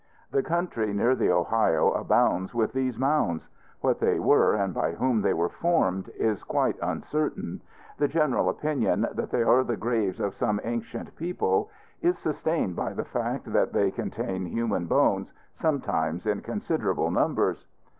The country near the Ohio abounds with these mounds. What they were, and by whom they were formed, is quite uncertain. The general opinion that they are the graves of some ancient people is sustained by the fact that they contain human bones, sometimes in considerable numbers.